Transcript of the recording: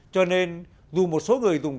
cho nên dù một số người dùng